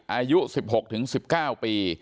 อายุ๑๖๑๙ปี